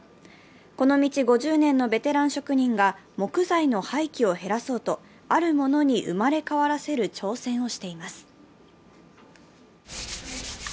この道５０年のベテラン職人が木材の廃棄を減らそうと、あるものに生まれ変わらせる挑戦をしています。